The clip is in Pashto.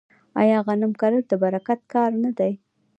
آیا غنم کرل د برکت کار نه دی؟